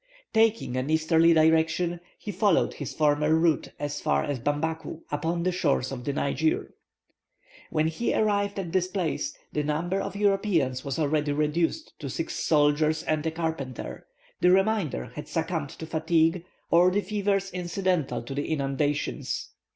Taking an easterly direction, he followed his former route as far as Bambaku, upon the shores of the Niger. When he arrived at this place, the number of Europeans was already reduced to six soldiers and a carpenter; the remainder had succumbed to fatigue, or the fevers incidental to the inundations.